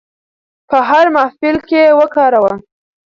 په هر محفل کې یې وکاروو.